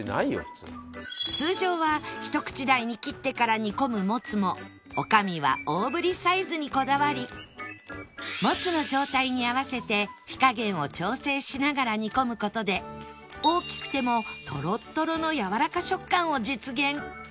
通常はひと口大に切ってから煮込むもつも女将は大ぶりサイズにこだわりもつの状態に合わせて火加減を調整しながら煮込む事で大きくてもトロットロのやわらか食感を実現